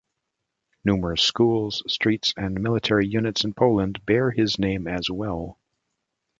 Numerous schools, streets and military units in Poland bear his name as well.